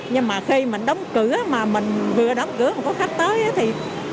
nhưng mà khi mình đóng cửa mà mình vừa đóng cửa mà có khách tới thì